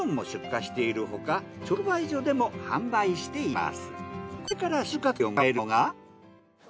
直売所でも販売しています。